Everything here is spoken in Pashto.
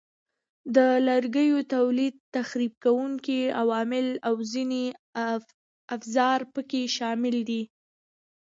د لرګیو تولید، تخریب کوونکي عوامل او ځینې افزار پکې شامل دي.